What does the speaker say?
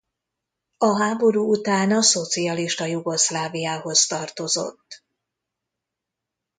A háború után a szocialista Jugoszláviához tartozott.